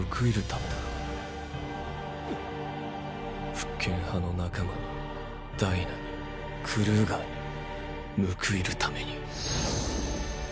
⁉復権派の仲間にダイナにクルーガーに報いるために。